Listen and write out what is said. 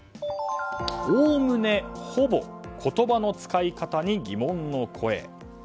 「おおむね」「ほぼ」言葉の使い方に疑問の声。